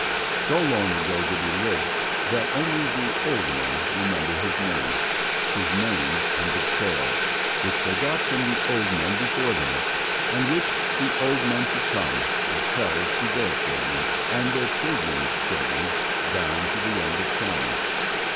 So long ago did he live that only the old men remember his name, his name and the tale, which they got from the old men before them, and which the old men to come will tell to their children and their children's children down to the end of time.